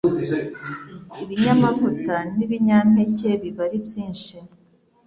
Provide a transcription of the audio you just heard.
ibinyamavuta, n’ibinyampeke, biba ari byinshi